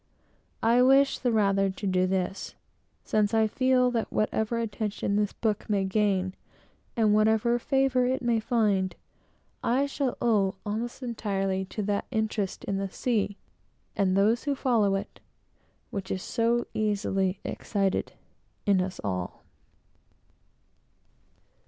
I wish the rather to do this, since I feel that whatever attention this book may gain, and whatever favor it may find, I shall owe almost entirely to that interest in the sea, and those who follow it, which is so easily excited in us all.